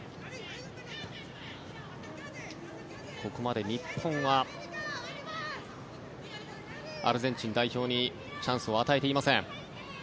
ここまで日本はアルゼンチン代表にチャンスを与えていません。